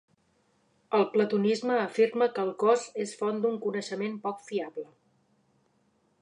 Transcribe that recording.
El platonisme afirma que el cos és font d'un coneixement poc fiable.